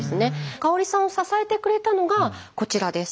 香さんを支えてくれたのがこちらです。